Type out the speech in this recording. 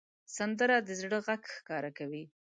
سندره د زړه غږ ښکاره کوي